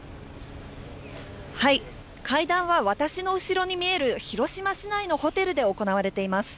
会談は私の後ろに見える、広島市内のホテルで行われています。